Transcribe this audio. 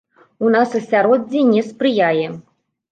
У нас асяроддзе не спрыяе.